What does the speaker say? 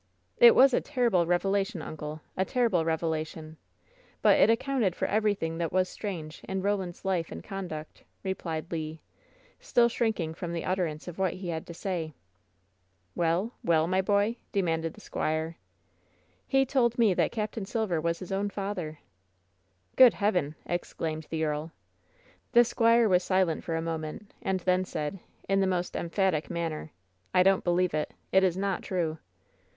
"It was a terrible revelation,' uncle — a terrible revela tion I But it accounted for everything that was strange 104 WHEN SHADOWS DIE in Roland's life and conduct," replied Le, still shrinking from the utterance of what he had to say. "Well, well, my boy?' demanded the squire. "He told me that Capt Silver was his own father!" "Good Heaven !" exclaimed the earl. The squire was silent for a moment, and then said, in the most emphatic manner: "I don't believe it ! It is not true